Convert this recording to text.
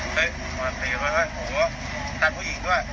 เมื่อเมื่อเมื่อเมื่อเมื่อ